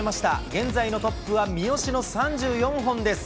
現在のトップはみよしの３４本です。